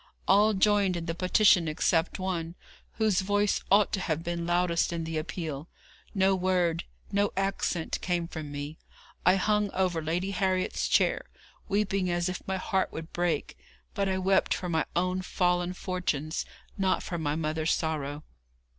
All joined in the petition except one, whose voice ought to have been loudest in the appeal. No word, no accent came from me. I hung over Lady Harriet's chair, weeping as if my heart would break. But I wept for my own fallen fortunes, not for my mother's sorrow.